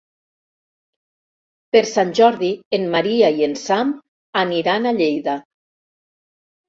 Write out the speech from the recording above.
Per Sant Jordi en Maria i en Sam aniran a Lleida.